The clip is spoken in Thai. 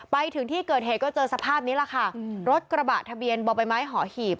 ไปถึงที่เกิดเหตุก็เจอสภาพนี้แหละค่ะรถกระบะทะเบียนบ่อใบไม้หอหีบ